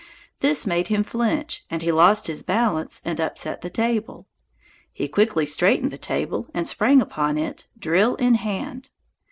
This made him flinch and he lost his balance and upset the table. He quickly straightened the table and sprang upon it, drill in hand.